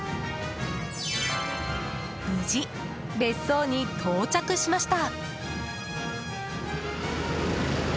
無事、別荘に到着しました。